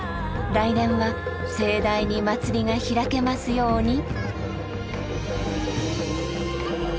来年は盛大に祭りが開けますように！